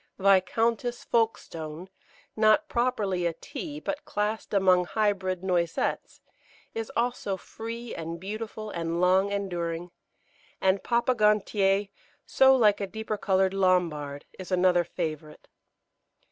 Viscountess Folkestone, not properly a Tea, but classed among Hybrid Noisettes, is also free and beautiful and long enduring; and Papa Gontier, so like a deeper coloured Lambard, is another favourite.